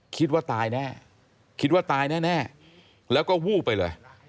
คิดว่าตายแน่คิดว่าตายแน่แล้วก็วูบไปเลย